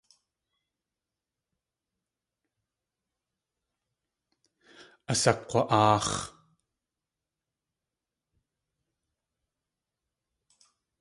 Asakg̲wa.áax̲.